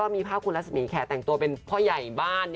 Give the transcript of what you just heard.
มีภาพคุณรัศมีแขกแต่งตัวเป็นพ่อใหญ่บ้าน